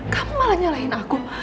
kamu malah nyalahin aku